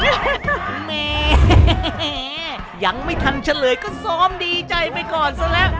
แหมยังไม่ทันเฉลยก็ซ้อมดีใจไปก่อนซะแล้ว